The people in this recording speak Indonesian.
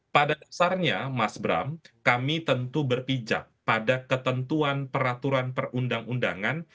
pada dasarnya mas bram kami tentu berpijak pada ketentuan peraturan perundang undangan